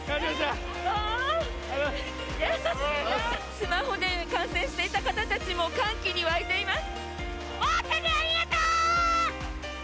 スマホで観戦していた人たちも歓喜に沸いています。